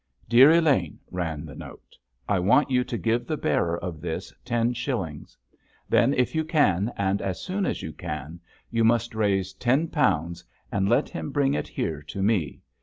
DEAR ELAINE, ran the note, _I want you to give the bearer of this ten shillings. Then, if you can, and as soon as you can, you must raise ten pounds and let him bring it here to me.